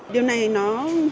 điều này nó hướng dẫn